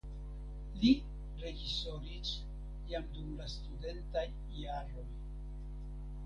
Li reĝisoris jam dum la studentaj jaroj.